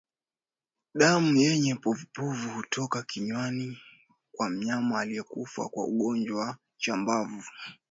Damu yenye povupovu hutoka kinywani kwa mnyama aliyekufa kwa ugonjwa wa chambavu